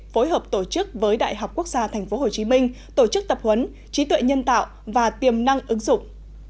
phối hợp tổ chức với đại học quốc gia tp hcm tổ chức tập huấn trí tuệ nhân tạo và tiềm năng ứng dụng